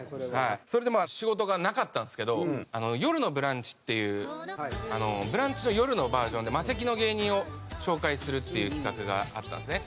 それでまあ仕事がなかったんですけど『よるのブランチ』っていう『ブランチ』の夜のバージョンでマセキの芸人を紹介するっていう企画があったんですね。